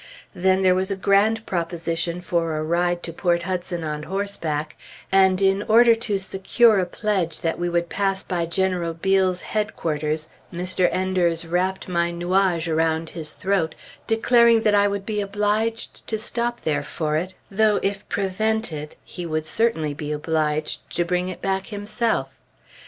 Then there was a grand proposition for a ride to Port Hudson on horseback, and in order to secure a pledge that we would pass by General Beale's headquarters, Mr. Enders wrapped my nuage around his throat, declaring that I would be obliged to stop there for it, though, if prevented, he would certainly be obliged to bring it back himself.